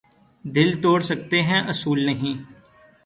دل توڑ سکتے ہیں اصول نہیں